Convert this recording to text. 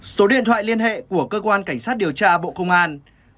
số điện thoại liên hệ của cơ quan cảnh sát điều tra bộ công an